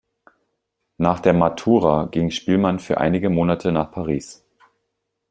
Nach der Matura ging Spielmann für einige Monate nach Paris.